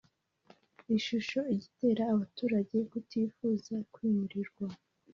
ishusho igitera abaturage kutifuza kwimurirwa